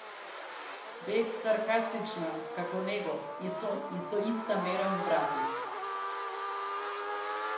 Бев саркастична како него и со иста мера му вратив.